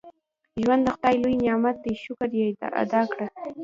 • ژوند د خدای لوی نعمت دی، شکر یې ادا کړه.